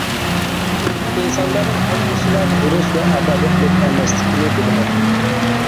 ئىنسانلارنىڭ ھەممىسىلا دۇرۇس ۋە ئادالەتلىك ئەمەسلىكىنى بىلىمەن.